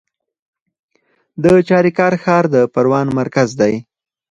د چاریکار ښار د پروان مرکز دی